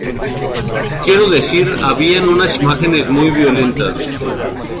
Quiero decir, habían unas imágenes muy violentas.